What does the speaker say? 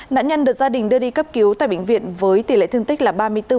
nạn nhân được gia đình đưa đi cấp cứu tại bệnh viện với tỷ lệ thương tích là ba mươi bốn